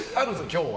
今日は。